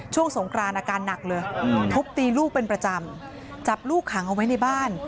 สงครานอาการหนักเลยทุบตีลูกเป็นประจำจับลูกขังเอาไว้ในบ้าน